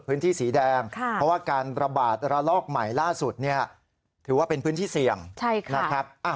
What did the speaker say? พื้นที่สีแดงเพราะว่าการระบาดระลอกใหม่ล่าสุดเนี่ยถือว่าเป็นพื้นที่เสี่ยงนะครับ